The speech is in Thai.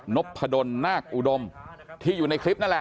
พดลนาคอุดมที่อยู่ในคลิปนั่นแหละ